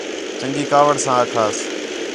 چنڳی کاوِڑ ساں آکھاس